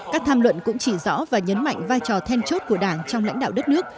các tham luận cũng chỉ rõ và nhấn mạnh vai trò then chốt của đảng trong lãnh đạo đất nước